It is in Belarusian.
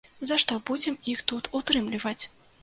За што будзем іх тут утрымліваць?